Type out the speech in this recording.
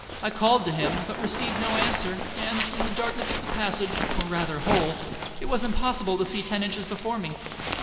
I called to him, but received no answer; and, in the darkness of the passage, or rather hole, it was impossible to see ten inches before me.